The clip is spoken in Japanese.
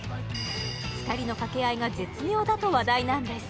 ２人の掛け合いが絶妙だと話題なんです